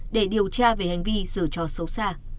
để điều tra về hành vi dở trò xấu xa